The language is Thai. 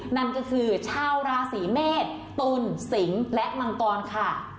นั่นก็คือชาวราศีเมษตุลสิงและมังกรค่ะ